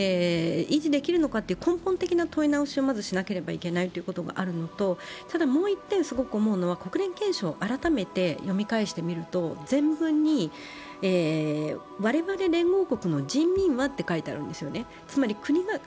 なので、国際秩序が、このままで維持できるのかという根本的な問い直しをまずしなければいけないということがあるのと、もう一点、思うのは国連憲章を改めて読み返してみると、前文に、「我々連合国の人民は」と書いてあるんですね。